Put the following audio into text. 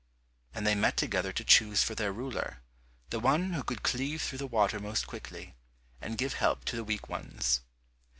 and they met together to choose for their ruler, the one who could cleave through the water most quickly, and give help to the weak ones.